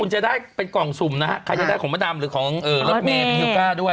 คุณจะได้เป็นกล่องสุมนะครับใครจะได้ของมาดำหรือของแล็วเมพรียูก้าด้วย